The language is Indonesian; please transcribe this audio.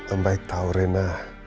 om baik tau rena